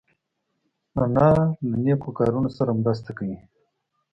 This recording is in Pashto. انا له نیکو کارونو سره مرسته کوي